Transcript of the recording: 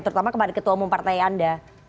terutama kepada ketua umum partai anda